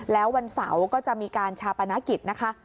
แล้ววันเสาร์ก็จะมีการชาปนกิจนะคะ